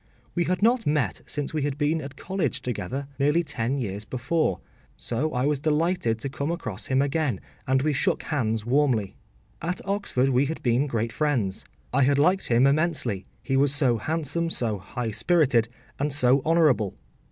We had not met since we had been at college together, nearly ten years before, so I was delighted to come across him again, and we shook hands warmly. At Oxford we had been great friends. I had liked him immensely, he was so handsome, so high spirited, and so honourable.